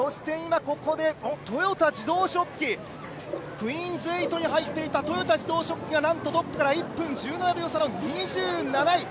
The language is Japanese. クイーンズ８に入っていた豊田自動織機がなんとトップから１分１７秒差の２７位。